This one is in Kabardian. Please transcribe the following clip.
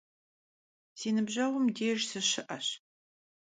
Si nıbjeğum dêjj sışı'eş.